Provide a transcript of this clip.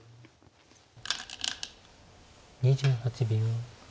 ２８秒。